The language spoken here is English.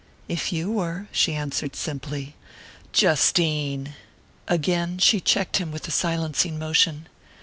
"If you were," she answered simply. "Justine!" Again she checked him with a silencing motion.